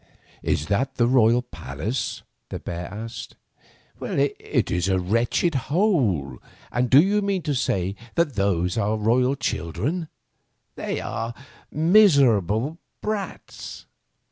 " Is that the royal palace.^ " the bear asked. "It is a wretched hole; and do you mean to say that those are royal children.^ They are miserable brats."